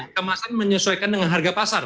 kemasan menyesuaikan dengan harga pasar